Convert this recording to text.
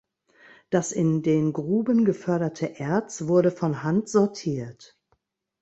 Das in den Gruben geförderte Erz wurde von Hand sortiert.